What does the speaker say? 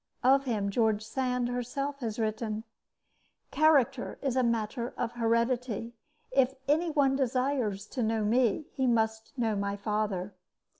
Of him George Sand herself has written: Character is a matter of heredity. If any one desires to know me, he must know my father.